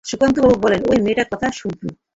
সুধাকান্তবাবু বললেন, ঐ মেয়েটার কথা শুনবেন?